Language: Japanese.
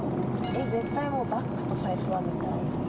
絶対バッグと財布は見たい。